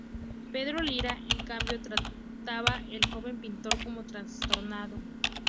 Pedro Lira, en cambio, trataba al joven pintor como trastornado.